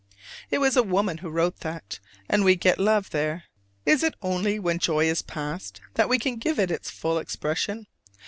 It was a woman wrote that: and we get love there! Is it only when joy is past that we can give it its full expression?